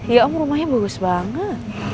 ya om rumahnya bagus banget